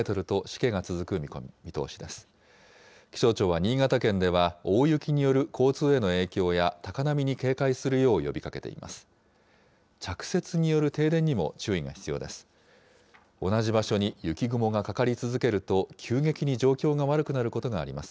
気象庁は、新潟県では大雪による交通への影響や、高波に警戒するよう呼びかけています。